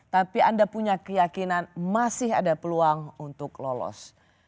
tapi anda punya keyakinan masih ada peluang untuk lolos